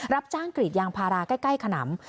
รับจ้างกรีดยางพาราใกล้ขนำ